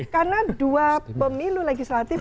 karena dua pemilu legislatif